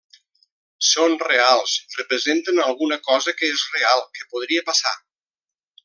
Són reals, representen alguna cosa que és real, que podria passar.